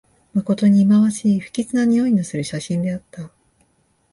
まことにいまわしい、不吉なにおいのする写真であった